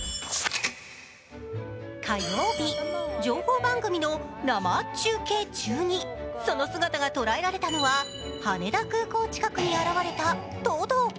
火曜日、情報番組の生中継中にその姿が捉えられたのは羽田空港近くに現れたトド。